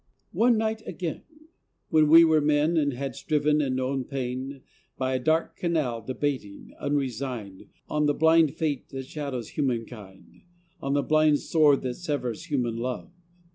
One night again, When we were men, and had striven, and known pain, By a dark canal debating, unresigned, On the blind fate that shadows humankind, On the blind sword that severs human love...